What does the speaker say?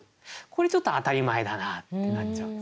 これちょっと当たり前だなってなっちゃうんですよね。